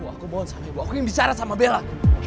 aku mohon sama ibu aku ingin bicara sama bella